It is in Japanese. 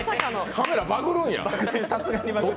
カメラ、バグるんや。